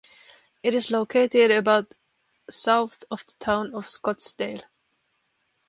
It is located about south of the town of Scottsdale.